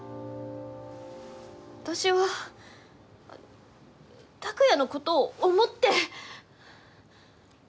私は、拓哉のことを思って。